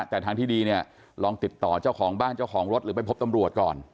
แต่ทางที่ดีเนี่ยลองติดต่อเจ้าของบ้านเจ้าของรถหรือไปพบตำรวจก่อน